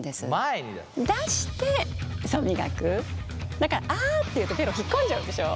だからあって言うとベロ引っ込んじゃうでしょ？